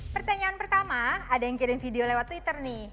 pertanyaan pertama ada yang kirim video lewat twitter nih